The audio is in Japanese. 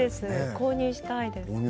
購入したいです。